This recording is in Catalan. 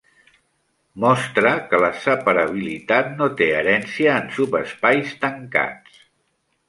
Mostra que la separabilitat no té herència en subespais tancats.